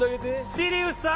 シリウスさん？